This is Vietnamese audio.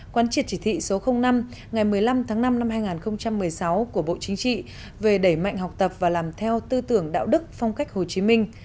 quán triệt chỉ thị số năm ngày một mươi năm tháng năm năm hai nghìn một mươi sáu của bộ chính trị về đẩy mạnh học tập và làm theo tư tưởng đạo đức phong cách hồ chí minh